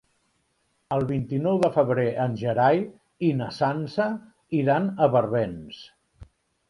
El vint-i-nou de febrer en Gerai i na Sança iran a Barbens.